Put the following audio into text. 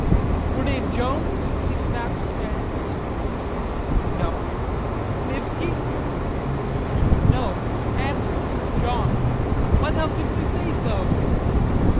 "Your name Jones?" he snapped to Andrews. "No." "Snivisky?" "No.... Andrews, John." "Why the hell couldn't you say so?"